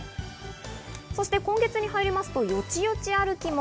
そして今月に入りますと、よちよち歩きも。